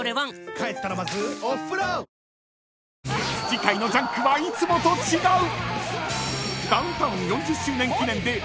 ［次回の『ジャンク』はいつもと違う］